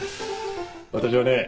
私はね